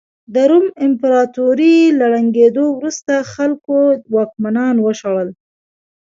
د روم امپراتورۍ له ړنګېدو وروسته خلکو واکمنان وشړل